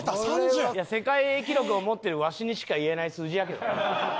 世界記録を持ってるワシにしか言えない数字やけどな。